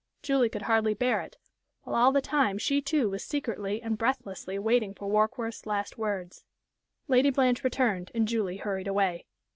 Julie could hardly bear it, while all the time she, too, was secretly and breathlessly waiting for Warkworth's last words. Lady Blanche returned, and Julie hurried away.